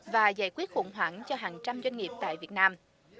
và giải quyết khủng hoảng cho hàng trăm doanh nghiệp tại việt nam